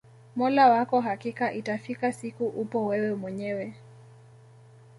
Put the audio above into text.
mola wako hakika itafika siku upo wewe mwenyewe